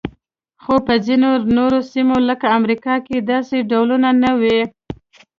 خو په ځینو نورو سیمو لکه امریکا کې داسې ډولونه نه وو.